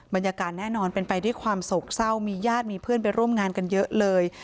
บรรยากาศแน่นอนเป็นไปด้วยความโศกเศร้ามีญาติมีเพื่อนไปร่วมงานกันเยอะเลย